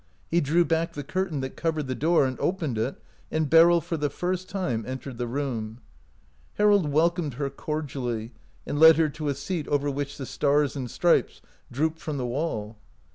He drew back the curtain that covered the door, and opened it, and Beryl for the first j^me en tered the room. Harold welcomed her cordially, and led her to a seat over which the stars and stripes drooped from the wall.